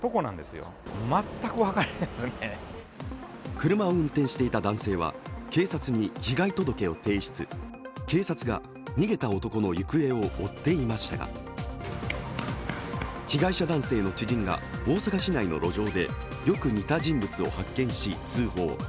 車を運転していた男性は警察に被害届を提出警察が逃げた男の行方を追っていましたが被害者男性の知人が大阪市内の路上でよく似た人物を発見し通報。